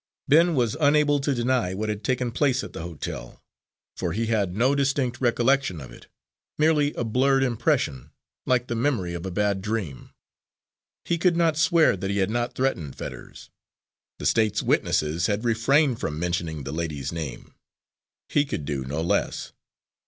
Ben was unable to deny what had taken place at the hotel, for he had no distinct recollection of it merely a blurred impression, like the memory of a bad dream. He could not swear that he had not threatened Fetters. The State's witnesses had refrained from mentioning the lady's name; he could do no less.